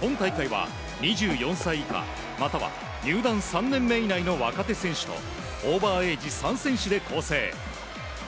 今大会は２４歳以下、または入団３年目以内の若手選手とオーバーエージ３選手で構成。